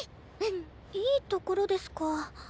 いいところですか。